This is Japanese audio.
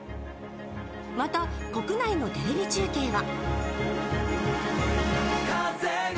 また国内のテレビ中継は。